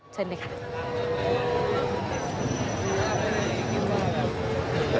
เชิญด้วยค่ะ